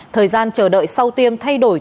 thời gian chờ đợi sau tiêm thay đổi